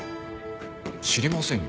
知りませんよ。